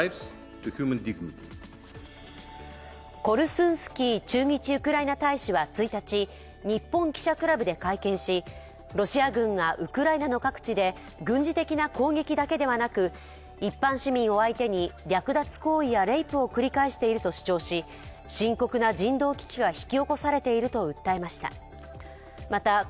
コルスンスキー駐日ウクライナ大使は１日、日本記者クラブで会見し、ロシア軍がウクライナの各地で軍事的な攻撃だけではなく一般市民を相手に略奪行為やレイプを繰り返していると主張し深刻な人道危機が引き起こされていると訴えました。